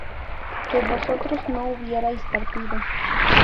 que vosotros no hubierais partido